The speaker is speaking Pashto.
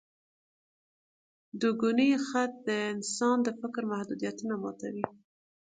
دوګوني خط د انسان د فکر محدودیتونه ماتوي.